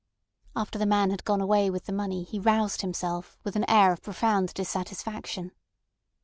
After the man had gone away with the money he roused himself, with an air of profound dissatisfaction.